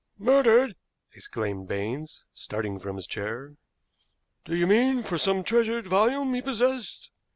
"Murdered!" exclaimed Baines, starting from his chair. "Do you mean for some treasured volume he possessed?